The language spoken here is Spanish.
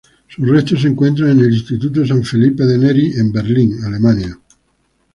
Sus restos se encuentran en el "Instituto San Felipe Neri" en Berlín, Alemania.